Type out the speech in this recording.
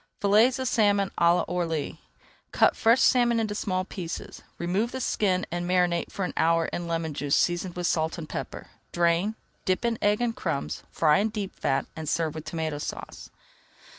FILLETS OF SALMON À L'ORLY Cut fresh salmon into small pieces, remove the skin, and marinate for an hour in lemon juice seasoned with salt and pepper. Drain, dip in egg and crumbs, fry in deep fat, and serve with Tomato Sauce.